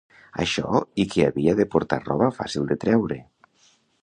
Això i que havia de portar roba fàcil de treure.